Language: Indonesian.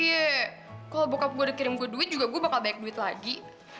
iya kalau bokap gue udah kirim gue duit juga gue bakal banyak duit lagi